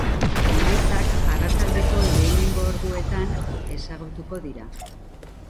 Emaitzak arratsaldeko lehenengo orduetan ezagutuko dira.